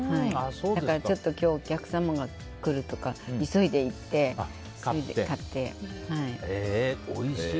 だから、今日お客様が来るとかの時は急いで行って買って。